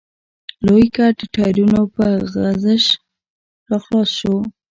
لوی ګټ د ټايرونو په غژس راخلاص شو.